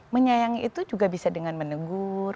menyayangi itu juga bisa dengan menegur